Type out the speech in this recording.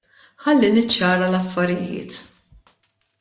Ħalli niċċara l-affarijiet.